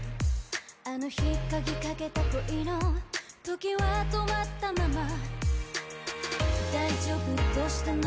あの日鍵かけた恋の時は止まったまま「大丈夫？」「どしたの？」